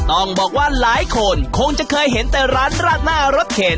ต้องบอกว่าหลายคนคงจะเคยเห็นแต่ร้านราดหน้ารถเข็น